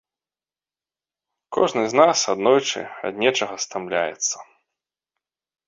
Кожны з нас аднойчы ад нечага стамляецца.